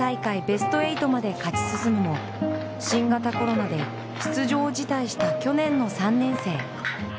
ベスト８まで勝ち進むも、新型コロナで出場を辞退した去年の３年生。